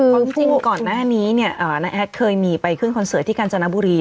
เพราะจริงก่อนหน้านี้เนี่ยน้าแอดเคยมีไปขึ้นคอนเสิร์ตที่กาญจนบุรี